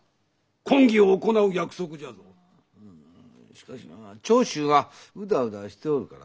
しかしな長州はうだうだしておるから。